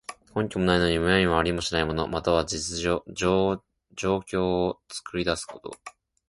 根拠もないのに、むやみにありもしない物、または情況を作り出すこと。